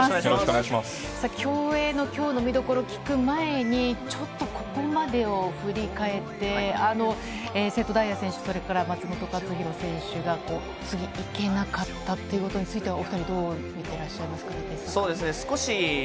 競泳のきょうの見どころ、聞く前に、ちょっとここまでを振り返って、瀬戸大也選手、それから松元克央選手が次いけなかったということについては、お２人どう見てらっしゃいますか。